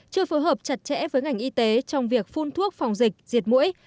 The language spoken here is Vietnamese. chưa phối hợp chặt chẽ với ngành y tế trong việc phun thuốc phòng dịch diệt mũi